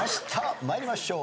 参りましょう。